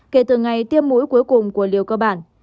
kể từ ngày tiêm mũi cuối cùng của liều cơ bản